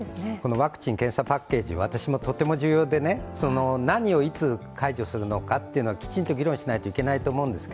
ワクチン・検査パッケージ、とても重要で何をいつ解除するのかはきちんと議論しないといけないと思うんですが、